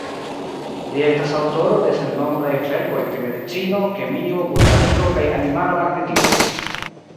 Li estas aŭtoro de sennombraj verkoj pri Medicino, Kemio, Botaniko kaj Animala Magnetismo.